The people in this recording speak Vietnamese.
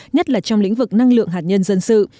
nhất là trong lĩnh vực năng lượng hạt nhân dân sự